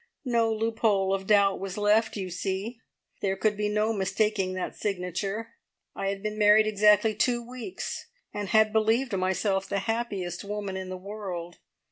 No loophole of doubt was left, you see. There could be no mistaking that signature. I had been married exactly two weeks, and had believed myself the happiest woman in the world.